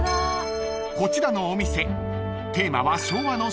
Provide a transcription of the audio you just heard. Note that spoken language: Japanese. ［こちらのお店］